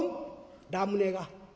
ラムネが？」。